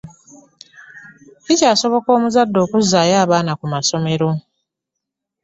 Kikyasiboka omuzadde okuzaayo abaana kumasomero?